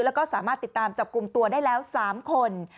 แล้วก็สามารถติดตามจับกลุ่มตัวได้แล้ว๓คน